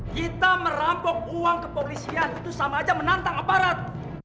kita merampok uang kepolisian itu sama aja menantang aparat